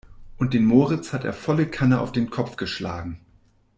Und den Moritz hat er volle Kanne auf den Kopf geschlagen.